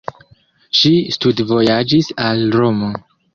Ŝi studvojaĝis al Romo.